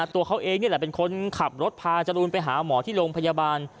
ตัวเขาเองนี่แหละเป็นคนขับรถพาจรูนไปหาหมอที่โรงพยาบาล